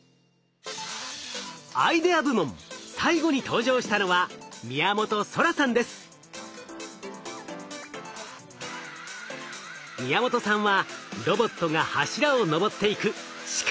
アイデア部門最後に登場したのは宮本さんはロボットが柱を上っていく力強いパフォーマンスで勝負。